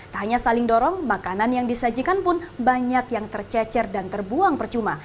tak hanya saling dorong makanan yang disajikan pun banyak yang tercecer dan terbuang percuma